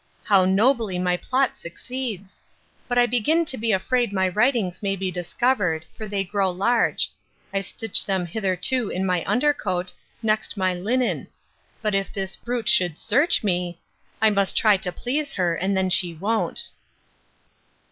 How nobly my plot succeeds! But I begin to be afraid my writings may be discovered; for they grow large: I stitch them hitherto in my under coat, next my linen. But if this brute should search me—I must try to please her, and then she won't.